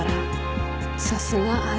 さすが姉。